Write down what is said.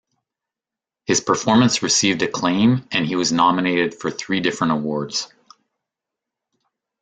His performance received acclaim and he was nominated for three different awards.